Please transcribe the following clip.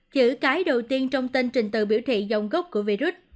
chữ cái đầu tiên trong tên trình tờ biểu thị dòng gốc của virus